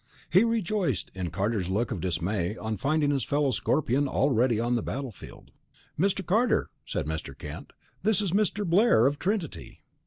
He rejoiced in Carter's look of dismay on finding his fellow Scorpion already on the battlefield. "Mr. Carter," said Mr. Kent, "this is Mr. Blair, of Trinity."